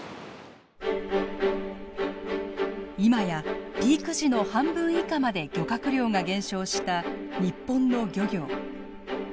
今やピーク時の半分以下まで漁獲量が減少した日本の漁業。